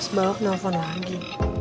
terus balap nelfon lagi